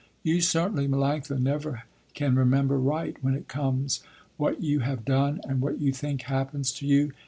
You certainly Melanctha, never can remember right, when it comes what you have done and what you think happens to you."